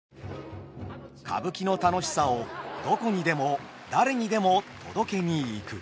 歌舞伎の楽しさをどこにでも誰にでも届けに行く。